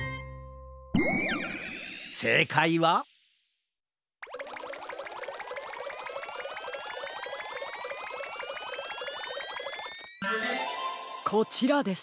せいかいはこちらです。